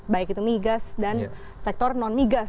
baik itu migas dan sektor non migas